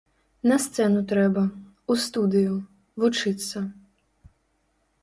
На сцэну трэба, у студыю, вучыцца.